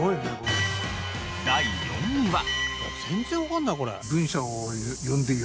第４位は。